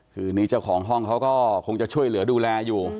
คือนี่เจ้าของห้องเขาก็คงจะช่วยเหลือดูแลอยู่